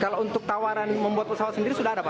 kalau untuk tawaran membuat pesawat sendiri sudah ada pak